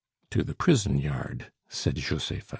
"To the prison yard!" said Josepha.